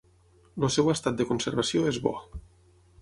El seu estat de conservació és bo.